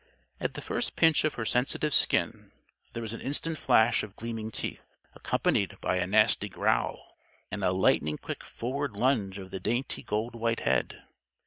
At the first pinch of her sensitive skin there was an instant flash of gleaming teeth, accompanied by a nasty growl and a lightning quick forward lunge of the dainty gold white head.